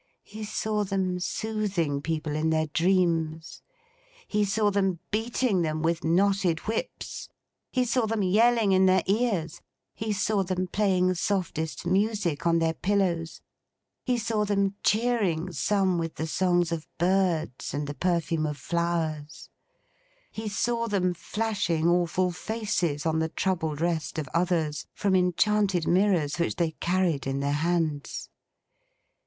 He saw them soothing people in their dreams; he saw them beating them with knotted whips; he saw them yelling in their ears; he saw them playing softest music on their pillows; he saw them cheering some with the songs of birds and the perfume of flowers; he saw them flashing awful faces on the troubled rest of others, from enchanted mirrors which they carried in their hands.